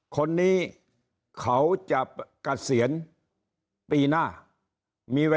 คนนี้เค้าจะเกษียณปีหน้ามีเวลาอีก๑ปี